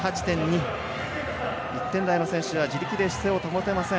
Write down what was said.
１点台の選手は自分で姿勢を保てません。